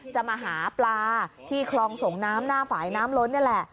จะมาหาปลาที่คลองส่งน้ำหน้าฝ่ายน้ำล้นนี่แหละ